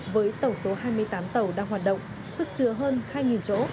với tổng số hai mươi tám tàu đang hoạt động sức chứa hơn hai chỗ